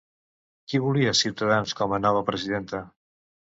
Qui volia Ciutadans com a nova presidenta?